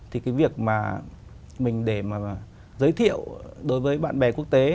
thì cái việc mà mình để mà giới thiệu đối với bạn bè quốc tế